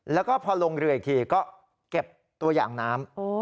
แล้วก็พอลงเรืออีกทีก็เก็บตัวอย่างน้ำ